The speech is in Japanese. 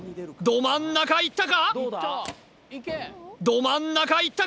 ど真ん中いったか？